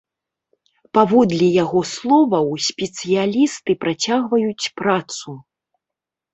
Паводле яго словаў, спецыялісты працягваюць працу.